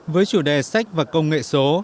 với chủ đề sách và công nghệ số